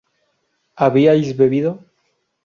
habíais bebido